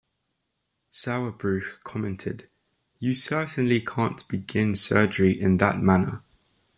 Sauerbruch commented, "You certainly can't begin surgery in that manner".